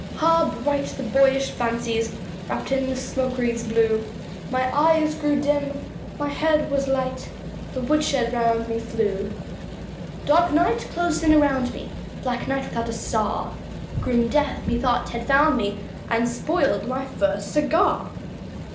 Ah, bright the boyish fancies Wrapped in the smoke wreaths blue; My eyes grew dim, my head was light, The woodshed round me flew! Dark night closed in around me Black night, without a star Grim death methought had found me And spoiled my first cigar.